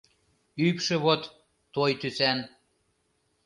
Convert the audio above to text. Ӱпшӧ вот... той тӱсан.